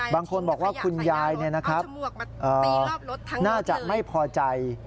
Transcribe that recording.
บางคนบอกว่าคุณยายน่าจะไม่พอใจ